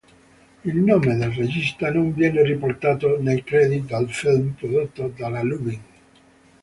Il nome del regista non viene riportato nei credit del film prodotto dalla Lubin.